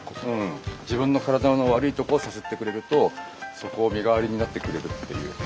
自分の体の悪いとこをさすってくれるとそこを身代わりになってくれるっていう。